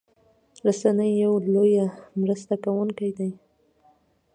رسنۍ يو لويه مرسته کوونکي دي